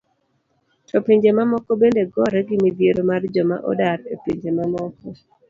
To pinje mamoko bende gore gi midhiero mar joma odar e pinje mamoko?